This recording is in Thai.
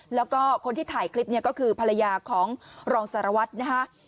แล้วก็คนที่ถ่ายคลิปเนี่ยก็คือภรรยาของรองสารวัตรนะฮะ